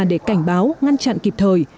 để cảnh báo ngăn chặn kịp thời